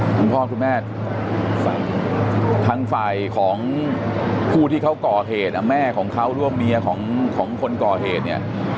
คุณพ่อคุณแม่ทางฝ่ายของผู้ที่เขาก่อเหตุแม่ของเขาหรือว่าเมียของคนก่อเหตุเนี่ย